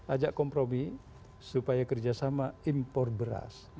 ajak kompromi supaya kerjasama impor beras